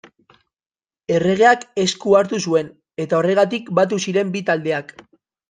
Erregeak esku hartu zuen, eta horregatik batu ziren bi taldeak.